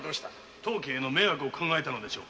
当家の迷惑を考えたのでしょう。